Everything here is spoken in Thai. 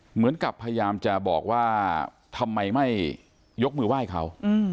เหมือนกับพยายามจะบอกว่าทำไมไม่ยกมือไหว้เขา